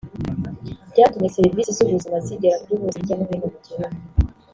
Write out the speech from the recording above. byatumye serivisi z’ubuzima zigera kuri bose hirya no hino mu gihugu